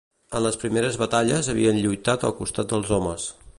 En les primeres batalles havien lluitat al costat dels homes